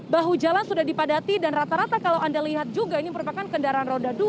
bahu jalan sudah dipadati dan rata rata kalau anda lihat juga ini merupakan kendaraan roda dua